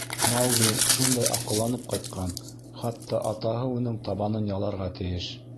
Маугли шундай аҡылланып ҡайтҡан, хатта атаһы уның табанын яларға тейеш.